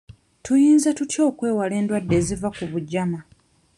Tuyinza tutya okwewala endwadde eziva ku bugyama?